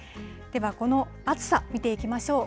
では、この暑さ、見ていきましょう。